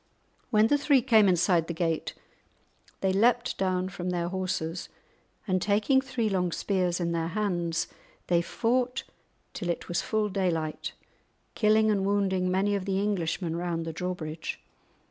When the three came inside the gate, they leapt down from their horses, and taking three long spears in their hands, they fought till it was full daylight, killing and wounding many of the Englishmen round the drawbridge.